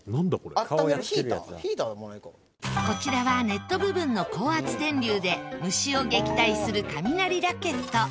こちらはネット部分の高圧電流で虫を撃退する蚊ミナリラケット。